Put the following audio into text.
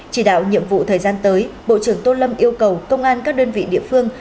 chỉ đạo nhiệm vụ thời gian tới bộ trưởng tô lâm yêu cầu công an các đơn vị địa phương